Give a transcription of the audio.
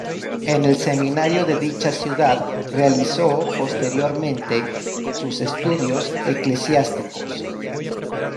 En el Seminario de dicha ciudad realizó, posteriormente, sus estudios eclesiásticos.